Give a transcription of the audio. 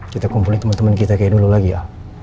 kita kumpulin temen temen kita kayak dulu lagi ya